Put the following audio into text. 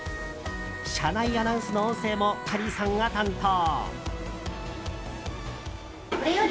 車内アナウンスの音声もきゃりーさんが担当。